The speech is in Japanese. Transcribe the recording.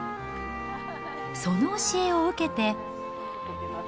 その教えを受けて。